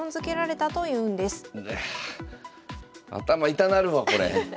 ああ頭痛なるわこれ。